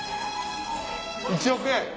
１億円！